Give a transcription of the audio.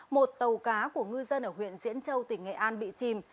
một tàu cá của ngư dân ở huyện diễn châu tỉnh nghệ an bị chìm